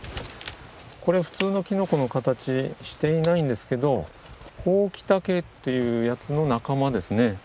これ普通のきのこの形していないんですけどホウキタケというやつの仲間ですね。